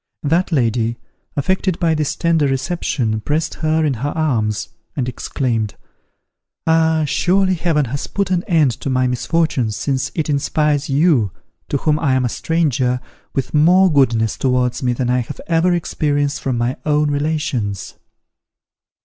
That lady, affected by this tender reception, pressed her in her arms, and exclaimed, "Ah surely Heaven has put an end to my misfortunes, since it inspires you, to whom I am a stranger, with more goodness towards me than I have ever experienced from my own relations!"